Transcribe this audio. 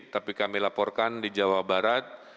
tapi kami laporkan di jawa barat